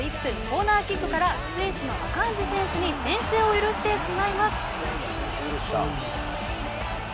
コーナーキックからスイスのアカンジ選手に先制を許してしまいます。